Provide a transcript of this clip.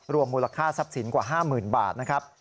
มูลค่าทรัพย์สินกว่า๕๐๐๐บาทนะครับ